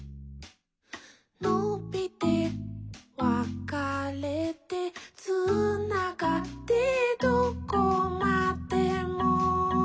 「のびてわかれて」「つながってどこまでも」